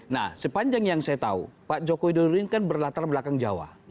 nah sepanjang yang saya tahu pak jokowi dulu ini kan berlatar belakang jawa